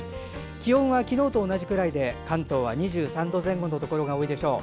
気温は昨日と同じくらいで関東は２３度前後のところが多いでしょう。